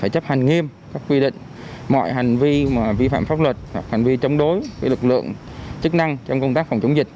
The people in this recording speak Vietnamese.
các quy định mọi hành vi vi phạm pháp luật hoặc hành vi chống đối với lực lượng chức năng trong công tác phòng chống dịch